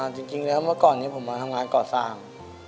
จริงแล้วเมื่อก่อนนี้ผมมาทำงานก่อสร้าง